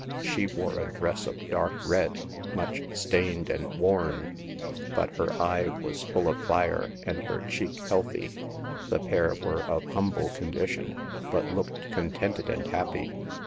She wore a dress of dark red, much stained and worn ; but her eye was full of fire, and her cheek healthy. The pair were of humble condition, but looked contented and happy.